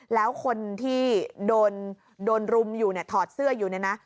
แล้วคนที่โดนรุมอยู่เนี่ยถอดเสื้ออยู่เนี่ยนะ